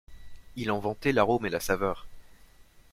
Il en vantait l'arôme et la saveur.